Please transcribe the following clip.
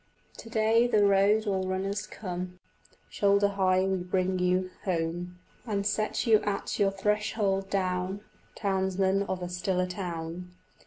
To day, the road all runners come, Shoulder high we bring you home, And set you at your threshold down, Townsman of a stiller town.